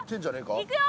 いくよ！